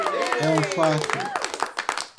É um fato.